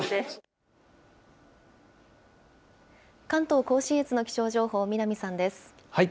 関東甲信越の気象情報、南さんです。